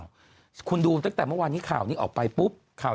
ไปหรือเปล่าคุณดูตั้งแต่เมื่อวันนี้ข่าวนี้ออกไปปุ๊บข่าว